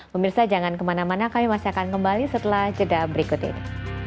pemirsa jangan kemana mana kami masih akan kembali setelah jeda berikut ini